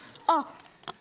あっ！